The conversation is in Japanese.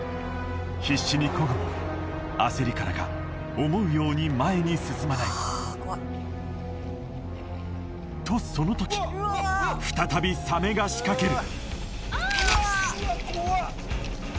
必死にこぐも焦りからか思うように前に進まないとその時再びサメが仕掛ける